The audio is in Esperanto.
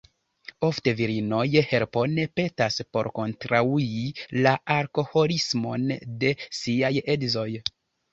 Ofte virinoj helpon petas por kontraŭi la alkoholismon de siaj edzoj.